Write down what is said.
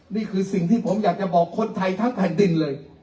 นี่คือสิ่งที่ผมอยากจะบอกคนไทยทั้งแผ่นดินเลย